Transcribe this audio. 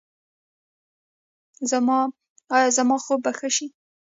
ایا زما خوب به ښه شي؟